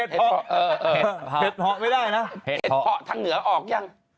เห็ดเพาะใช่เลยไม่ได้นะเห็ดเพาะทางเหนือออกยัง